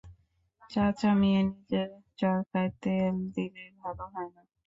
চাচা মিয়া, নিজের চরকায় তেল দিলে ভালো হয় না?